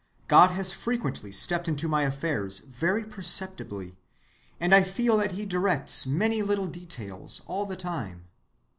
God has frequently stepped into my affairs very perceptibly, and I feel that he directs many little details all the time.